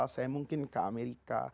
saya mungkin ke amerika